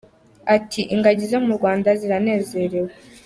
Ati" Ingagi zo mu Rwanda ziranezerewe.